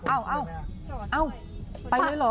อ้าวไปเลยเหรอ